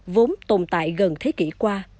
vốn tồn tại gần thế kỷ qua